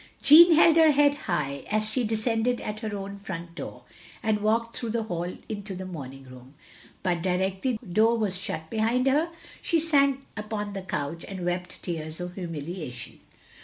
Jeanne held her head high as she descended at her own front door, and walked through the hall into the moming room. But directly the door was shut behind her, she sank upon the couch and wept tears of htmuliation.